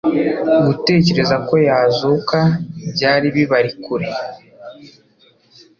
Gutekereza ko yazuka byari bibari kure.